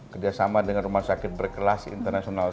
kerjasama dengan rumah sakit berkelas internasional